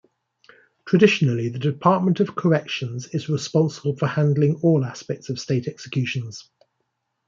Traditionally the Department of Corrections is responsible for handling all aspects of State executions.